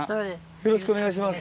よろしくお願いします。